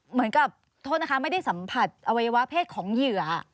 เหมือนกับโทษนะคะไม่ได้สัมผัสอวัยวะเพศของเหยื่อ